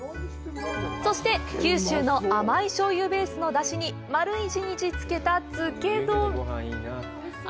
そして、九州の甘い醤油ベースの出汁に丸一日漬けた漬け丼！